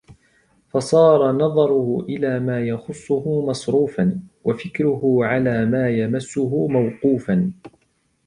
فَصَارَ نَظَرُهُ إلَى مَا يَخُصُّهُ مَصْرُوفًا ، وَفِكْرُهُ عَلَى مَا يَمَسُّهُ مَوْقُوفًا